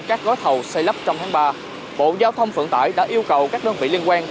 các gói thầu xây lắp trong tháng ba bộ giao thông vận tải đã yêu cầu các đơn vị liên quan